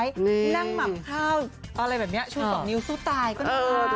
นั่งหมับข้าวอะไรแบบนี้ชุดสองนิ้วสู้ตายก็น่ารัก